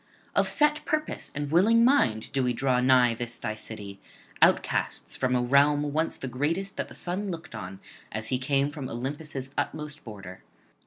Of set purpose and willing mind do we draw nigh this thy city, outcasts from a realm once the greatest that the sun looked on as he came from Olympus' utmost border.